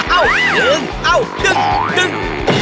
เอ้าดึงเอ้าดึงดึง